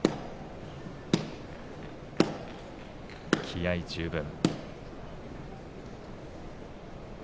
気合い十分。